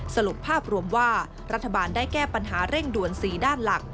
สรุปภาพรวมว่ารัฐบาลได้แก้ปัญหาเร่งด่วน๔ด้านหลัก